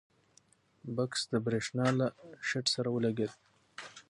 بکس د برېښنا له شیټ سره ولګېد.